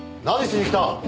何しに来た？